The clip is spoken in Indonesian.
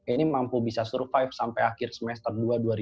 ini mampu bisa survive sampai akhir semester dua dua ribu dua puluh